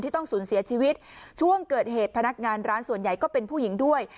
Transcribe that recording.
ต้องสูญเสียชีวิตช่วงเกิดเหตุพนักงานร้านส่วนใหญ่ก็เป็นผู้หญิงด้วย